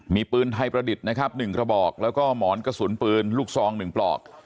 มีปืนไทยประดิษฐ์นะครับ๑กระบอกแล้วก็หมอนกระสุนปืนลูกซอง๑ปลอก